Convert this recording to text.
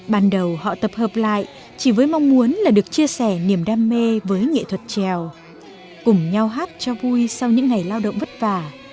ban đầu họ tập hợp lại chỉ với mong muốn là được chia sẻ niềm đam mê với nghệ thuật trèo cùng nhau hát cho vui sau những ngày lao động vất vả